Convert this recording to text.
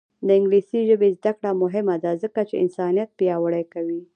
د انګلیسي ژبې زده کړه مهمه ده ځکه چې انسانیت پیاوړی کوي.